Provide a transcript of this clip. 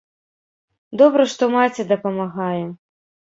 Добра, што маці дапамагае.